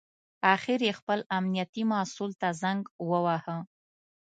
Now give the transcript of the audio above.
اخر یې خپل امنیتي مسوول ته زنګ وواهه.